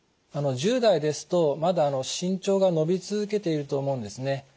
１０代ですとまだ身長が伸び続けていると思うんですね。